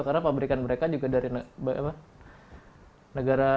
terus ya resah aja resah